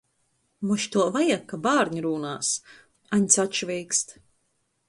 "Mož tuo vajag, ka bārni rūnās," Aņds atšveikst.